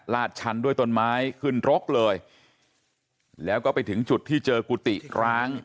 ชันด้วยต้นไม้ขึ้นรกเลยแล้วก็ไปถึงจุดที่เจอกุฏิร้าง